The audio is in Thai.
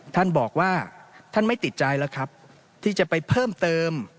ท่านบอกว่าท่านไม่ติดใจแล้วครับที่จะไปเพิ่มเติม